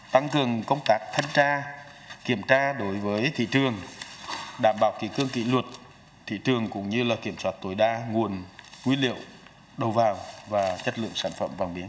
tăng cường công tác thân tra kiểm tra đối với thị trường đảm bảo kỳ cương kỳ luật thị trường cũng như kiểm soát tối đa nguồn quý liệu đầu vào và chất lượng sản phẩm vàng miếng